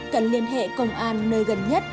cần liên hệ công an nơi gần nhất